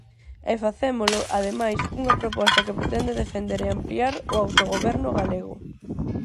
E facémolo, ademais, cunha proposta que pretende defender e ampliar o autogoberno galego.